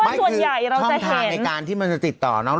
ไม่คือช่องทางในการที่มันจะติดต่อน้อง